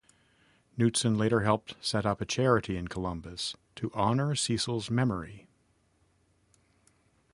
Knutsen later helped set up a charity in Columbus to honor Cecil's memory.